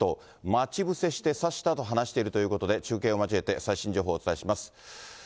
待ち伏せして刺したと話しているということで、中継を交えて最新情報をお伝えします。